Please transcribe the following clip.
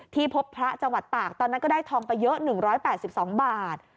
ที่พบพระจังหวัดตากตอนนั้นก็ได้ทองไปเยอะหนึ่งร้อยแปดสิบสองบาท